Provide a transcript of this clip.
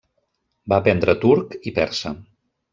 Va aprendre turc i persa.